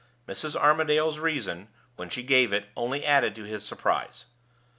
Mrs. Armadale's reason, when she gave it, only added to his surprise.